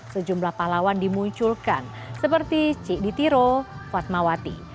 sejumlah pahlawan dimunculkan seperti cik ditiro fatmawati